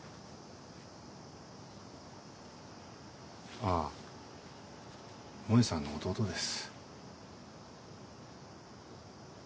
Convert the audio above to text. あぁ萌さんの弟です。